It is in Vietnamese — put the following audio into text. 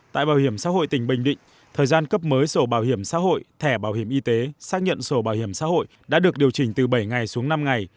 tại bảo hiểm xã hội tỉnh bình định thời gian cấp mới sổ bảo hiểm xã hội thẻ bảo hiểm y tế xác nhận sổ bảo hiểm xã hội đã được điều chỉnh từ bảy ngày xuống năm ngày